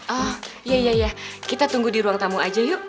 oh iya iya ya kita tunggu di ruang tamu aja yuk